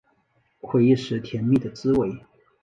回忆时甜蜜的滋味